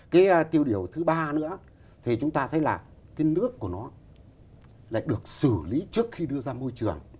cái tiêu điều thứ ba nữa thì chúng ta thấy là cái nước của nó lại được xử lý trước khi đưa ra môi trường